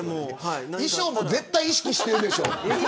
衣装も絶対意識してるでしょ。